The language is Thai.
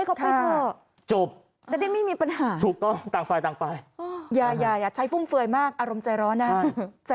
เอาให้เขาไปเถอะจบถูกก็ต่างฝ่ายต่างไปอย่าใช้ฟุ่มเฟยมากอารมณ์ใจร้อนนะ